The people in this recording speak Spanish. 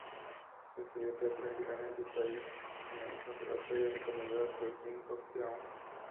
Estudió teatro en Cannes y París, en el Conservatorio recomendado por Jean Cocteau.